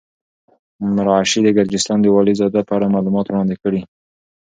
مرعشي د ګرجستان د والي زاده په اړه معلومات وړاندې کړي.